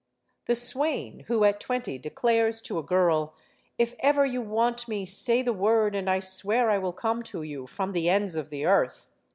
The swain who at twenty declares to a girl: "If ever you want me, say the word, and I swear I will come to you, from the ends of the earth!"